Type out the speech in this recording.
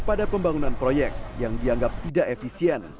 pada pembangunan proyek yang dianggap tidak efisien